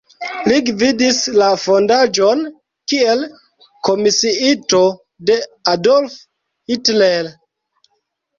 Li gvidis la fondaĵon kiel komisiito de Adolf Hitler.